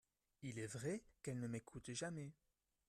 Il est vrai qu'elle ne m'écoutait jamais.